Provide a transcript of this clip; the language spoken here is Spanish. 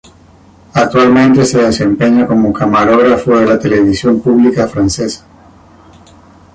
Actualmente se desempeña como camarógrafo de la televisión pública francesa.